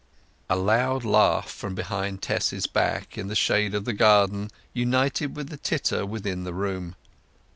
A loud laugh from behind Tess's back, in the shade of the garden, united with the titter within the room.